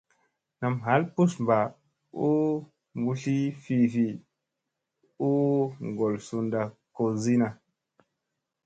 Nam hal pus mba u mbuzli fifi u ngol sunda kozina.